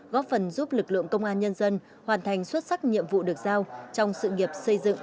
góp phần giúp lực lượng công an nhân dân hoàn thành xuất sắc nhiệm vụ được giao trong sự nghiệp xây dựng